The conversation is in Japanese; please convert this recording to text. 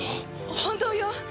本当よ！